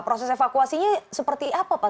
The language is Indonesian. proses evakuasinya seperti apa pak